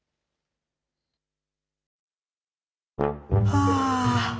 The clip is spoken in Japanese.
はあ。